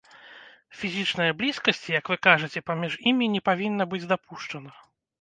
Фізічнае блізкасці, як вы кажаце, паміж імі не павінна быць дапушчана.